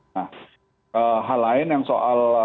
nah hal lain yang soal